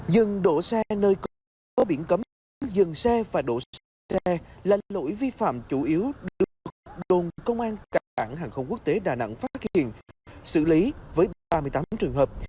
dừng đổ xe nơi có biển cấm dừng xe và đổ xe là lỗi vi phạm chủ yếu được đồn công an cảng hàng không quốc tế đà nẵng phát hiện